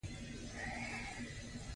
په هماغه اندازه کسر کوچنی کېږي